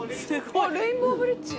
あっレインボーブリッジ。